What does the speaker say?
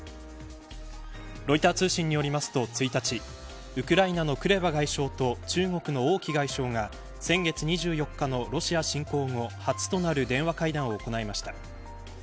ロイター通信によりますと、１日ウクライナのクレバ外相と中国の王毅外相が先月２４日のロシア侵攻後初となる電話会談を行いました。